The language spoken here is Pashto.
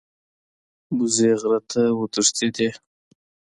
وزې غره ته وتښتیده.